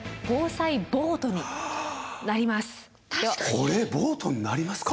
これボートになりますか？